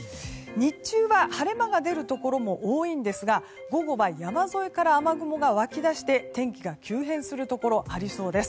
日中は晴れ間が出るところも多いんですが午後は山沿いから雨雲が湧き出して天気が急変するところありそうです。